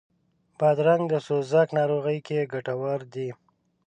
بادرنګ د سوزاک ناروغي کې ګټور دی.